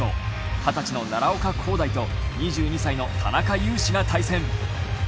二十歳の奈良岡功大と２２歳の田中湧士が対戦。